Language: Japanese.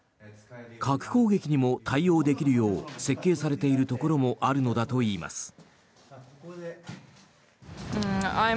核攻撃にも対応できるよう設計されているところもあるのだといいます。